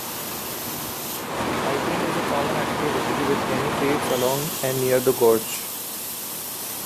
Hiking is a common activity with many trails along and near the gorge.